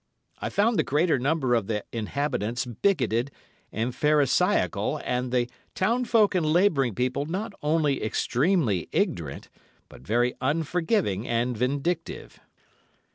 I found the greater number of the inhabitants bigoted and pharisaical and the townfolk and labouring people not only extremely ignorant, but very unforgiving and vindictive.